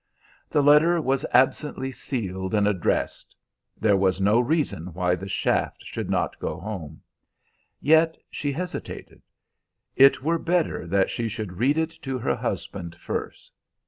The letter was absently sealed and addressed; there was no reason why the shaft should not go home. Yet she hesitated. It were better that she should read it to her husband first.